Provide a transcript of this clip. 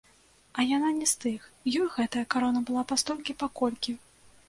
А яна не з тых, ёй гэтая карона была пастолькі-паколькі.